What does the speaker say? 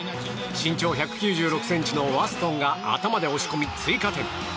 身長１９６ｃｍのワストンが頭で押し込み、追加点。